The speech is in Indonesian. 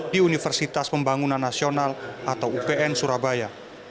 di universitas pembangunan nasional atau upn surabaya